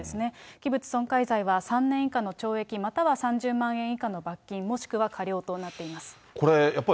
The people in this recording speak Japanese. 器物損壊罪は３年以下の懲役、または３０万円以下の罰金もしくは科料となっています。